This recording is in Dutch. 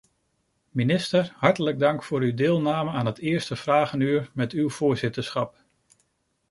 Minister, hartelijk dank voor uw deelname aan het eerste vragenuur met uw voorzitterschap.